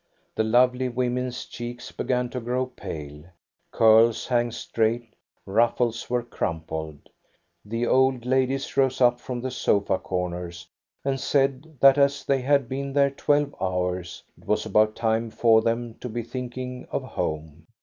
The lovely women's cheeks began to grow pale; curls hung straight, ruffles were crumpled. The old ladies rose up from the sofa corners and said that as they 94 THE STORY OF GOSTA BERLING had been there twelve hours, it was about time for them to be thinking of home.